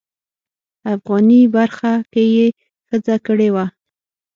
افغاني برخه کې یې ښځه کړې وه.